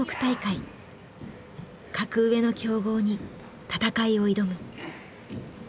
格上の強豪に戦いを挑む。